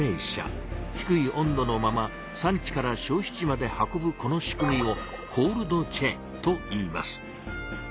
低い温度のまま産地から消費地まで運ぶこの仕組みを「コールドチェーン」と言います。